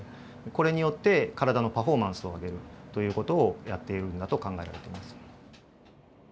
これによって体のパフォーマンスを上げるという事をやっているんだと考えられてます。